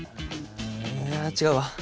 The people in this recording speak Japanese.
あ違うわ。